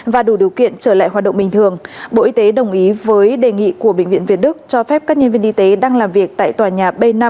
và đủ điều kiện trở lại hoạt động bình thường bộ y tế đồng ý với đề nghị của bệnh viện việt đức cho phép các nhân viên y tế đang làm việc tại tòa nhà b năm